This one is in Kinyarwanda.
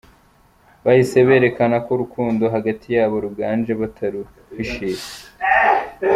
Bahise berekana ko urukundo hagati yabo ruganje bataruhishira